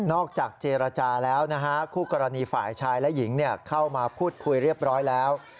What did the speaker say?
จากเจรจาแล้วนะฮะคู่กรณีฝ่ายชายและหญิงเข้ามาพูดคุยเรียบร้อยแล้ว